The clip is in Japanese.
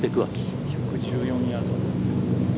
１１４ヤード。